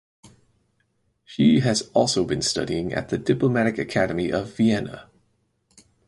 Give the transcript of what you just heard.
She has been also studying at the Diplomatic Academy of Vienna.